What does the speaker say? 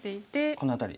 この辺り？